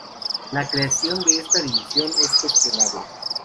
La creación de esta división es cuestionable.